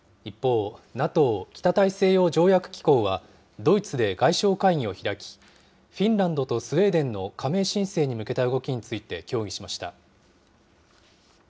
一方、ＮＡＴＯ・北大西洋条約機構はドイツで外相会議を開き、フィンランドとスウェーデンの加盟申請に向けた動きについて協議しました。